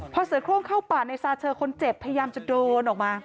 พอเสือโครงเข้าป่าในซาเชอคนเจ็บพยายามจะโดนออกมา